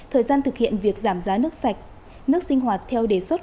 thời gian thực hiện việc giảm giá nước sạch nước sinh hoạt theo đề xuất